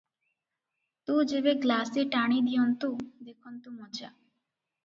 ତୁ ଯେବେ ଗ୍ଲାସେ ଟାଣି ଦିଅନ୍ତୁ, ଦେଖନ୍ତୁ ମଜା!